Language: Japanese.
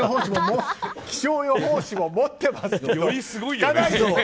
気象予報士も持ってますけど。